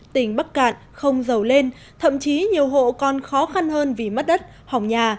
tỉnh bắc cạn không giàu lên thậm chí nhiều hộ còn khó khăn hơn vì mất đất hỏng nhà